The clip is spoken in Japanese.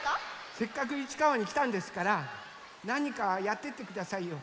せっかくいちかわにきたんですからなにかやってってくださいよ。